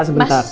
mas sebentar ya